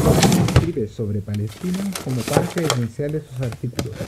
Escribe sobre Palestina como parte esencial de sus artículos.